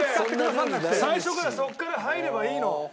最初からそこから入ればいいの。